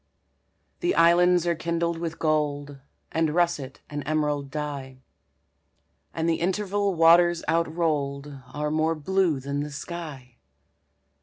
The islands are kindled with gold And russet and emerald dye; And the interval waters outrolled Are more blue than the sky.